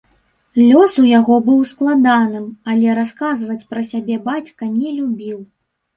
Лёс у яго быў складаным, але расказваць пра сябе бацька не любіў.